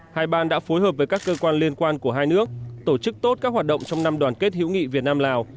hai ban đã phối hợp với các cơ quan liên quan của hai nước tổ chức tốt các hoạt động trong năm đoàn kết hữu nghị việt nam lào